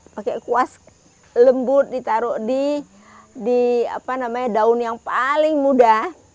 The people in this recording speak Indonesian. pakai kuas lembut ditaruh di daun yang paling mudah